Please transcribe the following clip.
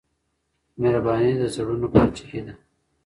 مهرباني د زړونو پاچاهي ده.